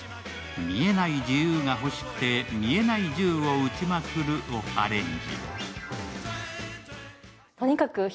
「見えない自由がほしくて見えない銃を撃ちまくる」をアレンジ。